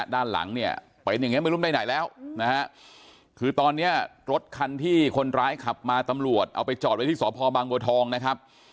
ด้านหลังเนี่ยเป็นอย่างนี้ไม่รู้ไปไหนแล้วนะฮะคือตอนนี้รถคันที่คนร้ายขับมาตำรวจเอาไปจอดไว้ที่สพบางบัวทองนะครับ